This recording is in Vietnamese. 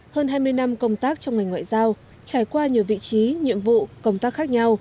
hơn hai mươi năm công tác trong ngành ngoại giao trải qua nhiều vị trí nhiệm vụ công tác khác nhau